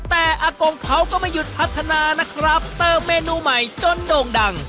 แต่อากงเขาก็ไม่หยุดพัฒนานะครับเติมเมนูใหม่จนโด่งดัง